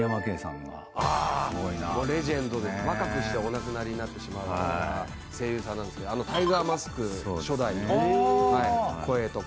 若くしてお亡くなりになってしまう声優さんなんですけどタイガーマスク初代とか。